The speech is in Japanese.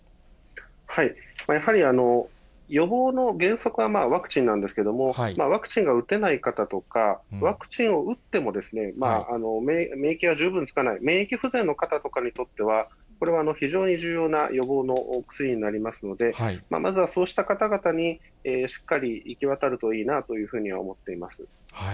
やはり予防の原則はワクチンなんですけれども、ワクチンが打てない方とか、ワクチンを打っても免疫が十分つかない、免疫不全の方とかにとっては、これは非常に重要な予防のお薬になりますので、まずはそうした方々にしっかり行き渡るといいなというふうに思っています。